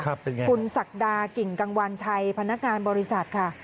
เป็นไงคุณศักดากิ่งกังวัญชัยพนักงานบริษัทค่ะ